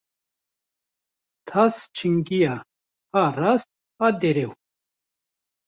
Tas çingiya, ha rast ha derew